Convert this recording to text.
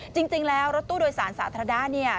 จริงแล้วรถตู้โดยสารสาธารณะเนี่ย